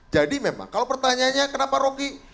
jadi memang kalau pertanyaannya kenapa roky